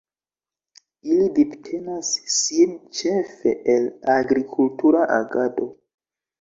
Ili vivtenas sin ĉefe el agrikultura agado.